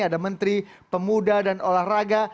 ada menteri pemuda dan olahraga